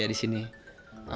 beraris gitu ya